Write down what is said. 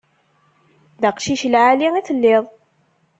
D aqcic n lεali i telliḍ.